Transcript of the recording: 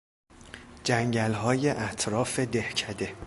جنگلهای اطراف دهکده